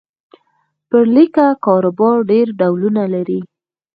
پر لیکه کاروبار ډېر ډولونه لري.